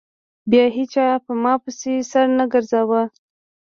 بيا هېچا په ما پسې سر نه گرځاوه.